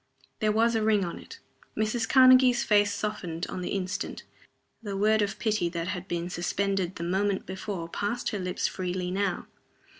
There was a ring on it. Mrs. Karnegie's face softened on the instant: the word of pity that had been suspended the moment before passed her lips freely now.